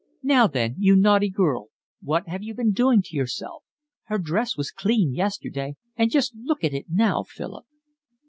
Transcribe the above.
"Now then, you naughty girl, what have you been doing to yourself? Her dress was clean yesterday and just look at it now, Philip."